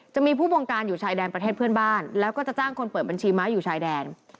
จะมีผู้บงการอยู่ชายแดนประเทศเพื่อนบ้านแล้วก็จะจ้างคนเปิดบัญชีม้าอยู่ชายแดน